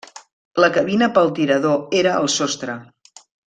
La cabina pel tirador era al sostre.